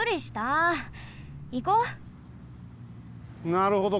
なるほど。